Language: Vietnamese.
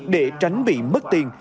để tránh bị mất tiền